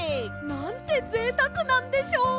「なんてぜいたくなんでしょう」。